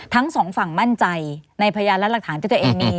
ทั้งสองฝั่งมั่นใจในพยานและหลักฐานที่ตัวเองมี